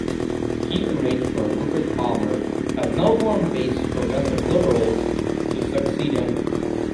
He arranged for Rupert Hamer, a Melbourne-based progressive Liberal, to succeed him.